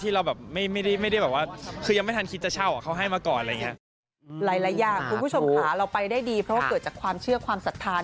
ที่เราไม่ได้แบบว่าคือยังไม่ทันคิดจะเช่า